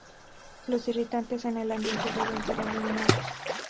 Los irritantes en el ambiente deben ser eliminados.